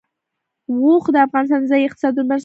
اوښ د افغانستان د ځایي اقتصادونو بنسټ دی.